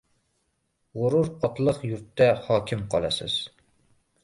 G‘urur otlig‘ yurtda hokim qolasiz